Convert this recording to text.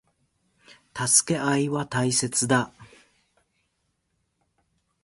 助け合いは大切だ。